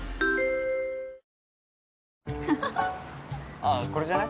あっこれじゃない？